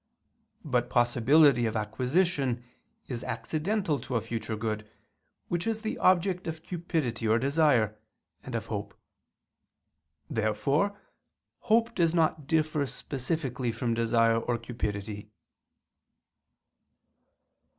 But possibility of acquisition is accidental to a future good, which is the object of cupidity or desire, and of hope. Therefore hope does not differ specifically from desire or cupidity.